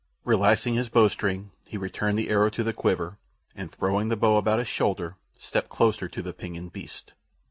Relaxing his bowstring, he returned the arrow to the quiver and, throwing the bow about his shoulder, stepped closer to the pinioned beast.